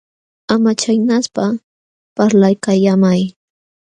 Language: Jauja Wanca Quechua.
Ama chaynaspa, parlaykallaamay.